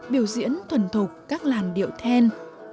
biểu diễn thuần thục các làn điệu then